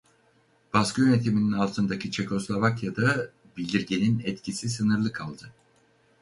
Baskı yönetimin altındaki Çekoslovakya'da bildirgenin etkisi sınırlı kaldı.